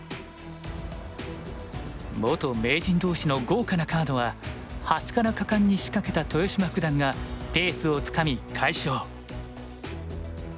元名人同士の豪華なカードは端から果敢に仕掛けた豊島九段がペースをつかみ快勝。